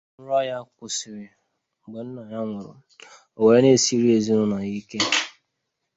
Nrọ ya kwụsịrị mgbe nna ya nwụrụ, ọ were na-esiri ezinaụlọ ya ike.